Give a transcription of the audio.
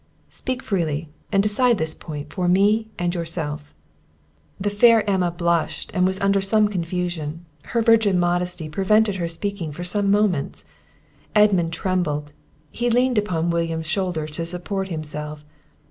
Speak freely, and decide this point for me and for yourself." The fair Emma blushed, and was under some confusion; her virgin modesty prevented her speaking for some moments. Edmund trembled; he leaned upon William's shoulder to support himself.